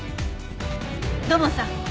土門さん